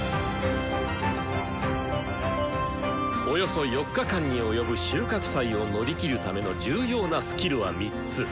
およそ４日間に及ぶ収穫祭を乗り切るための重要なスキルは３つ。